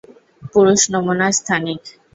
পুরুষ নমুনা স্থানিক।